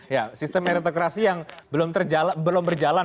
ya sistem meritokrasi yang belum berjalan